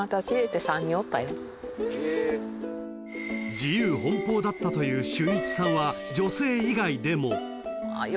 ［自由奔放だったという俊一さんは女性以外でも］